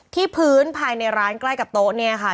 ที่พื้นภายในร้านใกล้กับโต๊ะเนี่ยค่ะ